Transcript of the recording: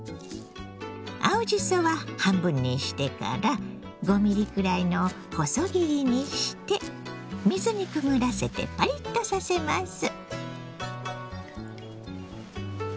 青じそは半分にしてから５ミリくらいの細切りにして水にくぐらせてパリッとさせます。